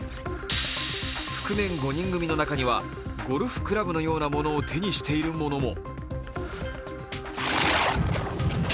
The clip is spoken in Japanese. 覆面５人組の中にはゴルフクラブのようなものを手にしている者も。